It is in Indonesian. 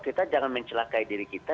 kita jangan mencelakai diri kita